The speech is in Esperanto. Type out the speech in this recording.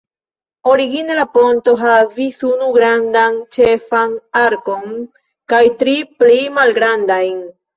Origine la ponto havis unu grandan ĉefan arkon kaj tri pli malgrandajn.